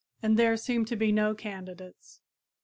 And there seem to be no candidates.